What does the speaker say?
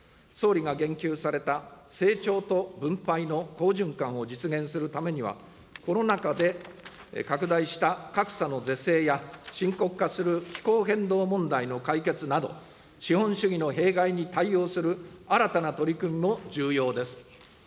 総理が言及された成長と分配の好循環を実現するためには、コロナ禍で拡大した格差の是正や、深刻化する気候変動問題の解決など、資本主義の弊害に対応する新たな取り組みも重要です。